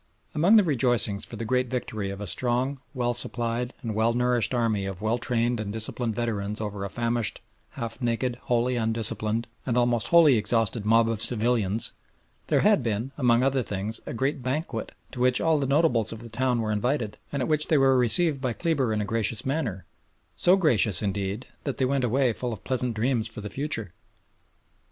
Among the rejoicings for the great victory of a strong, well supplied, and well nourished army of well trained and disciplined veterans over a famished, half naked, wholly undisciplined, and almost wholly exhausted mob of civilians, there had been, among other things, a great banquet, to which all the notables of the town were invited, and at which they were received by Kleber in a gracious manner so gracious, indeed, that they went away full of pleasant dreams for the future.